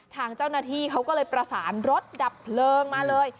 ทางเจ้าหน้าที่เขาก็เลยประสานรถดับเพลิงมาเลย